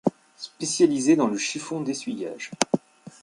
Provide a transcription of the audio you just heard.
Spécialisée dans le chiffon d’essuyage.